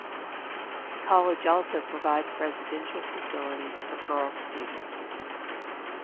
The college also provides residential facilities for girl students.